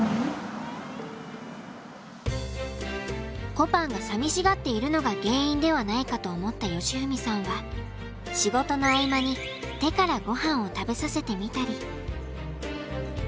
こぱんが寂しがっているのが原因ではないかと思った喜史さんは仕事の合間に手からごはんを食べさせてみたり。